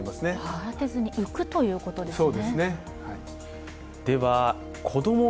慌てず浮くということですね。